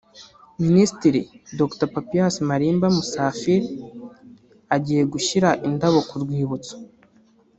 Minisitiri Dr Papias Malimba Musafiri agiye gushyira indabo ku rwibutso